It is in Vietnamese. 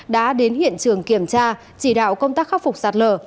đã đến hiện trường kiểm tra chỉ đạo công tác khắc phục sạt lở